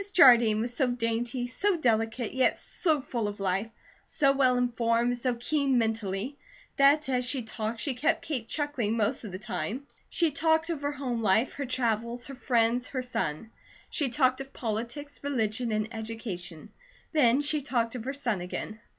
Jardine was so dainty, so delicate, yet so full of life, so well informed, so keen mentally, that as she talked she kept Kate chuckling most of the time. She talked of her home life, her travels, her friends, her son. She talked of politics, religion, and education; then she talked of her son again.